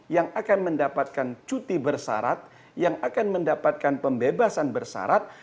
yang akan mendapatkan cuti bersarat yang akan mendapatkan pembebasan bersarat